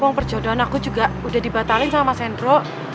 uang perjodohan aku juga udah dibatalin sama mas hendro